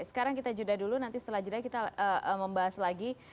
sekarang kita jeda dulu nanti setelah jeda kita membahas lagi